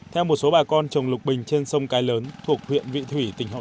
theo một số bà con trồng lục bình trên sông cái lớn thuộc huyện vị thủy tỉnh hậu